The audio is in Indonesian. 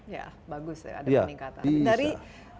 ya bagus ada meningkatan